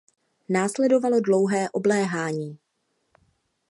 Následovalo dlouhé obléhání.